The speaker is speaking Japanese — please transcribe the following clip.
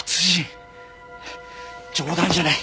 冗談じゃない！